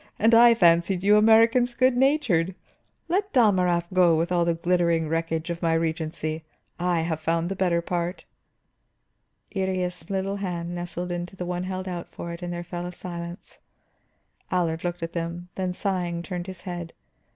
"And I fancied you Americans good natured! Let Dalmorov go with all the glittering wreckage of my regency. I have found the better part." Iría's little hand nestled into the one held out for it, and there fell a silence. Allard looked at them, then sighing turned his head.